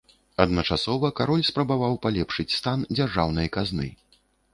Адначасова кароль спрабаваў палепшыць стан дзяржаўнай казны.